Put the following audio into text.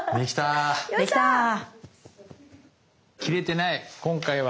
切れてない今回は！